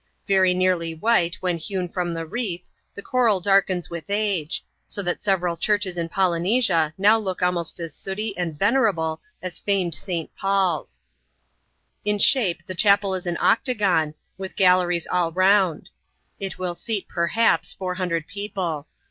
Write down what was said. Very nearly white when hewn iram the reefs, the coral darkens with age ; so that several churdies in Polynesia mow look almost as sooty and venerable as famed St. Paul's. In shape, the chapel is an octagon, with galleries all round. It will seat, perhaps, four hundred people.